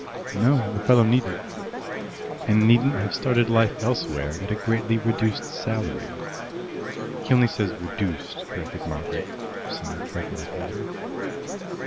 "No, the fellow needn't." " and needn't have started life elsewhere at a greatly reduced salary." "He only says 'reduced,'" corrected Margaret, seeing trouble ahead.